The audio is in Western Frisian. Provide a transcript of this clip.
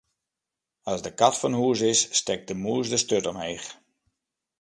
As de kat fan hûs is, stekt de mûs de sturt omheech.